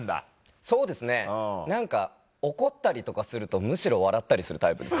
そうですね何か怒ったりとかするとむしろ笑ったりするタイプです。